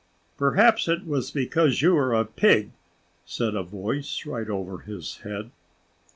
"Perhaps it was because you are a pig," said a voice right over his head.